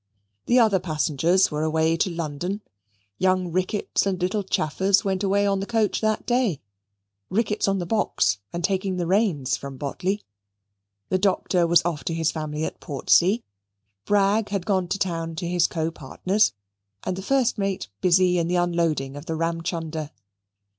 The other passengers were away to London. Young Ricketts and little Chaffers went away on the coach that day Ricketts on the box, and taking the reins from Botley; the Doctor was off to his family at Portsea; Bragg gone to town to his co partners; and the first mate busy in the unloading of the Ramchunder.